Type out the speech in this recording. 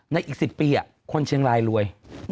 อีก๑๐ปีคนเชียงรายรวย